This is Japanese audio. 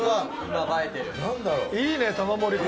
長嶋：いいね、玉森君！